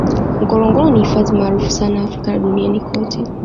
ngorongoro ni hifadhi maarufu sana africa na duniani kote